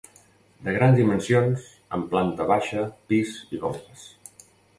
De grans dimensions, amb planta baixa, pis i golfes.